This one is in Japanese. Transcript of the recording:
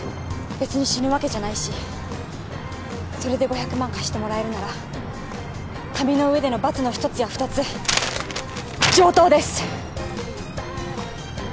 べつに死ぬわけじゃないしそれで５００万貸してもらえるなら紙の上でのバツの一つや二つ上等です！